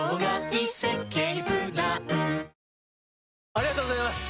ありがとうございます！